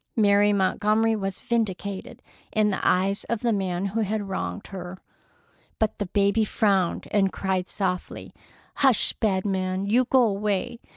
Mary Montgomery was vindicated in the eyes of the man who had wronged her. But the baby frowned and cried softly: "Hush, bad man! You go away!